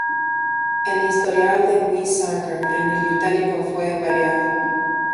El historial de Weizsäcker en el Vaticano fue variado.